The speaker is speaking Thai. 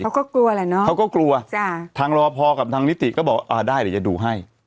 เขาก็กลัวแหละเนอะเขาก็กลัวจ้ะทางรอพอกับทางนิติก็บอกอ่าได้เดี๋ยวจะดูให้